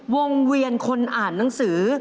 วงเวียนคนอ่านหนังสือ